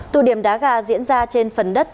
tụ điểm đá gà diễn ra trên phần đất